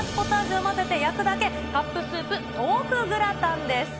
赤は粉末ポタージュを混ぜて焼くだけ、カップスープ豆腐グラタンです。